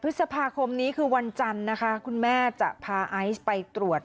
พฤษภาคมนี้คือวันจันทร์นะคะคุณแม่จะพาไอซ์ไปตรวจ